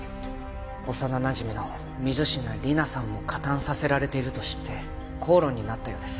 幼なじみの水品理奈さんも加担させられていると知って口論になったようです。